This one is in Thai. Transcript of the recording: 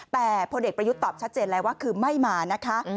แต่พลเอกประยุทธ์ตอบชัดเจนแล้วว่าคือไม่มานะคะ